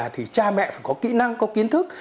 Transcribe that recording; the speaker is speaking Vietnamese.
thì cha mẹ phải có kỹ năng có kiến thức